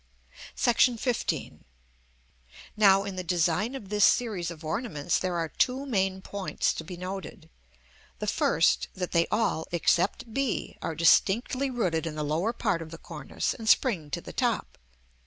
§ XV. Now in the design of this series of ornaments there are two main points to be noted; the first, that they all, except b, are distinctly rooted in the lower part of the cornice, and spring to the top.